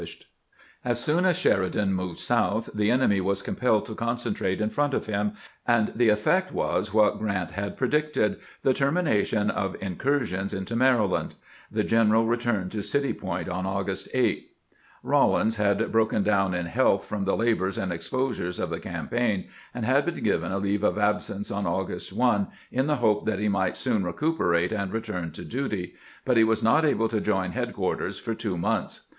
A NEW COMMAND FOB SHERIDAN 273 As soon as Sheridan moved south the enemy was compelled to concentrate in front of him, and the effect was what Grant had predicted — the termination of in cursions into Maryland. The general returned to City Point on August 8. Rawlins had broken down in health from the labors and exposures of the campaign, and had been given a leave of absence on August 1, in the hope that he might soon recuperate and return to duty ; but he was not able to join, headquarters for two months.